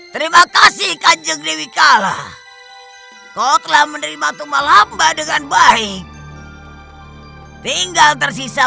terima kasih kanjeng dewi kala kau telah menerima tumbal hamba dengan baik tinggal tersisa